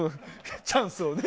チャンスをね。